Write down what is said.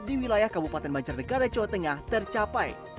di wilayah kabupaten banjar negara jawa tengah tercapai